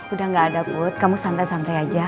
udah gak ada boot kamu santai santai aja